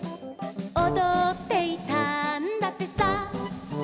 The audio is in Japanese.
「おどっていたんだってさ」